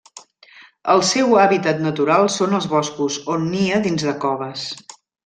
El seu hàbitat natural són els boscos, on nia dins de coves.